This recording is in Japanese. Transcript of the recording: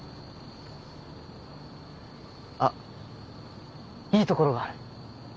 あいいところがある！